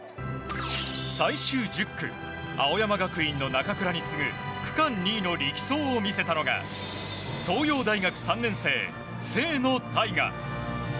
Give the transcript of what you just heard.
最終１０区青山学院の中倉に次ぐ区間２位の力走を見せたのが東洋大学３年生、清野太雅。